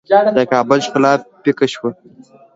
د کابل ښکلا پیکه شوه.